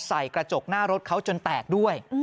กระจกหน้ารถเขาจนแตกด้วย